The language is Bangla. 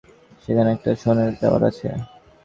সেখানে একটা সোনালী টাওয়ার আছে।